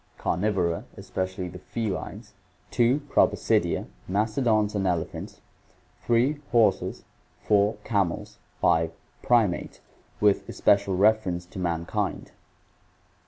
Carnivora, especially the felines. 2. Proboscidea, mastodons and elephants. 3. Horses. 4. Camels. 5. Primates, with especial reference to mankind.